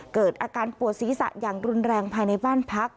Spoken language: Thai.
เกิดอาการปวดศีรษะอย่างรุนแรงภายในบ้านพัก